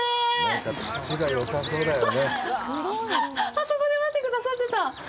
あそこで待ってくださってた！